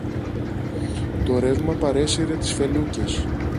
Το ρεύμα παρέσυρε τις φελούκες